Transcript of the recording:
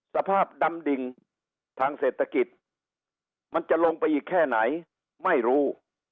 สภาพดำดิ่งทางเศรษฐกิจมันจะลงไปอีกแค่ไหนไม่รู้